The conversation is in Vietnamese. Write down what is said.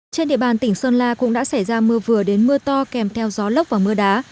trên địa bàn tỉnh sơn la cũng đã xảy ra mưa vừa đến mưa to kèm theo gió lốc và mưa đá